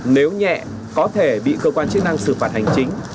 nếu nhẹ có thể bị cơ quan chức năng xử phạt hành chính